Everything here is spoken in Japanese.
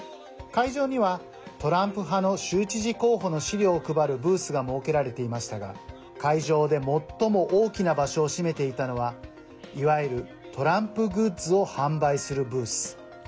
会場にはトランプ派の州知事候補の資料を配るブースが設けられていましたが会場で最も大きな場所を占めていたのはいわゆるトランプグッズを販売するブース。